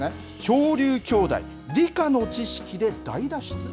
漂流兄妹、理科の知識で大脱出！？